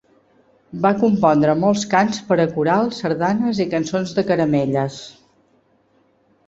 Va compondre molts cants per a coral, sardanes i cançons de caramelles.